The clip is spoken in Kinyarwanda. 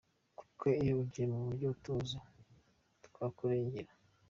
Kuko iyo ugiye mu buryo tuzi…twakurengera.